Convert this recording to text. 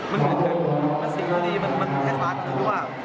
มันเหมือนกันมันสิ่งหน่อยดีมันแท้ฟ้าขึ้นทุกอย่าง